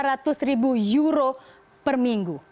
di atas dua ratus ribu euro per minggu